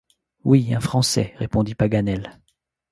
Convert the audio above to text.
Oui! un Français ! répondit Paganel.